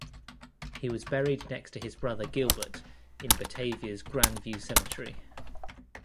He was buried next to his brother Gilbert in Batavia's Grandview Cemetery.